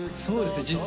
そうですね